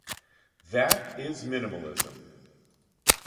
That is minimalism.